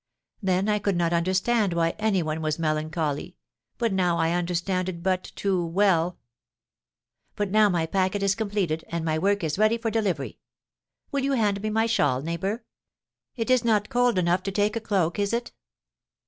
Then I could not understand why any one was melancholy, but now I understand it but too well. But now my packet is completed, and my work is ready for delivery. Will you hand me my shawl, neighbour? It is not cold enough to take a cloak, is it?"